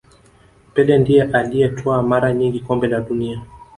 pele ndiye aliyetwaa mara nyingi kombe la dunia